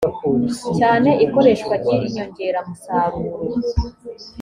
cyane ikoreshwa ry inyongeramusaruro